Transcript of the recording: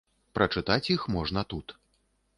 Прачытаць іх можна тут.